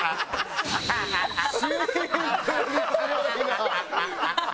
ハハハハ！